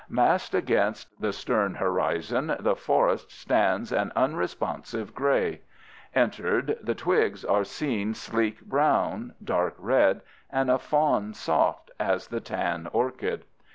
Massed against the stern horizon, the forest stands an unresponsive gray; entered, the twigs are seen sleek brown, dark red, and a fawn soft as the tan orchid.